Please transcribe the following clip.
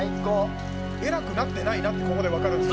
「偉くなってないなってここでわかるんです。